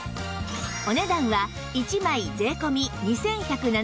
お値段は１枚税込２１７８円